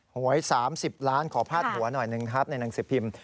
หวย๓๐ล้านขอพาดหัวหน่อยหนึ่งครับในหนังสือพิมพ์